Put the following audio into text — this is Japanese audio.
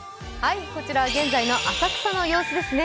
こちらは現在の浅草の様子ですね。